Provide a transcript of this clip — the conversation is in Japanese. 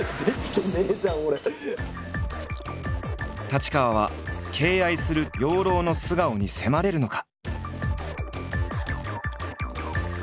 太刀川は敬愛する養老の素顔に迫れるのか？